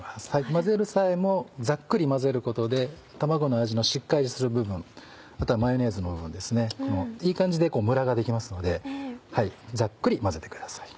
混ぜる際もざっくり混ぜることで卵の味のしっかりする部分あとはマヨネーズの部分ですねいい感じでムラができますのでざっくり混ぜてください。